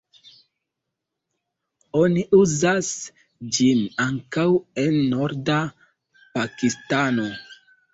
Oni uzas ĝin ankaŭ en norda Pakistano.